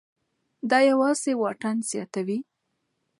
دا یوازې واټن زیاتوي.